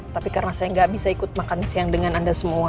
tapi karena saya gak bisa ikut makan siang dengan anda semua